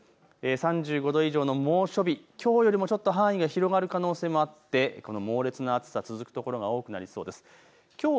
３５度以上の猛暑日、きょうよりもちょっと範囲が広がる可能性もあってこの猛烈な暑さ、続く所が多くなりそうです。